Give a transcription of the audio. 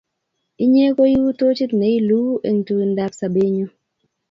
Inye koi u tochit ne iluu eng' tuindap sobennyu.